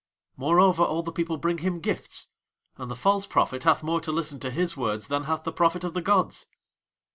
'" Moreover, all the people bring him gifts, and the false prophet hath more to listen to his words than hath the Prophet of the gods.